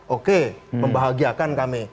oke membahagiakan kami